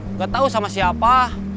nggak tahu sama siapa